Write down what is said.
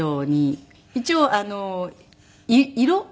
一応色？